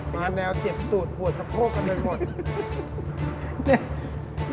มาแนวเจ็บตูดปวดสะโพกกันไปหมด